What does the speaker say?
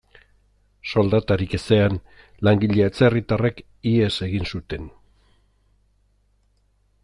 Soldatarik ezean, langile atzerritarrek ihes egin zuten.